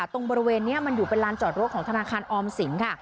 ตรงบริเวณนี้มันอยู่เป็นลานจอดรถของธนาคารออมสินค่ะ